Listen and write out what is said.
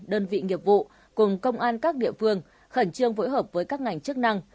đơn vị nghiệp vụ cùng công an các địa phương khẩn trương phối hợp với các ngành chức năng